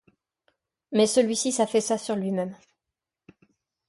Mais celui-ci s'affaissa sur lui-même.